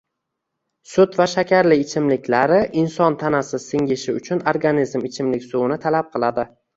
Sut va shakarli ichimliklari inson tanasi singishi uchun organizm ichimlik suvini talab qiladi.